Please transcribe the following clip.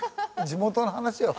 地元の話を。